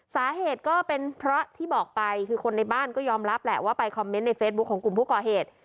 สาเหตุก็เป็นเพราะที่บอกไปคือคนในบ้านก็ยอมรับแหละว่าไปคอมเมนต์ในเฟซบุ๊คของกลุ่มผู้ก่อเหตุ